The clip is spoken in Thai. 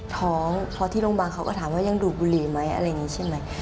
ท้องเพราะที่โรงพยาบาลเขาก็ถามว่ายังดูดบุหรี่ไหมอะไรอย่างนี้ใช่ไหม